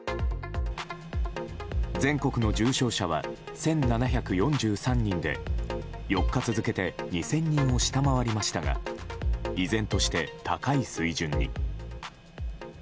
全国の重症者は１７４３人で４日続けて２０００人を下回りましたが依然として高い水準に。